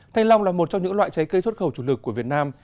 thanh long là một trong những loại trái cây xuất khẩu chủ lực của việt nam